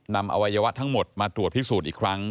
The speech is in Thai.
อวัยวะทั้งหมดมาตรวจพิสูจน์อีกครั้ง